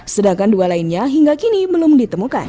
sedangkan dua lainnya hingga kini belum ditemukan